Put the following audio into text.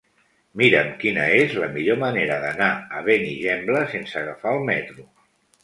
Mira'm quina és la millor manera d'anar a Benigembla sense agafar el metro.